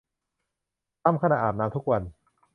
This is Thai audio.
ทำขณะอาบน้ำทุกวัน